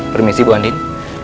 permisi bu andin